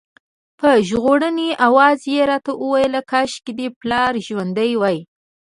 په ژړغوني اواز یې راته ویل کاشکې دې پلار ژوندی وای.